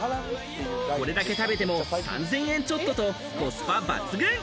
これだけ食べても３０００円ちょっととコスパ抜群。